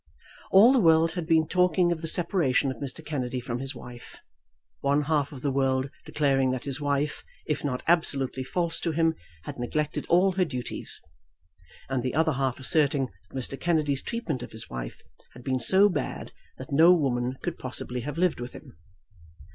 All the world had been talking of the separation of Mr. Kennedy from his wife, one half of the world declaring that his wife, if not absolutely false to him, had neglected all her duties; and the other half asserting that Mr. Kennedy's treatment of his wife had been so bad that no woman could possibly have lived with him.